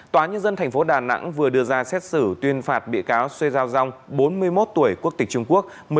tòa nhân dân thành phố đà nẵng vừa đưa ra xét xử tuyên phạt bị cáo xoay rau rong bốn mươi một tuổi quốc tịch trung quốc